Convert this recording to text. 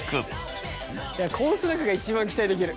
コーンスナックが一番期待できる。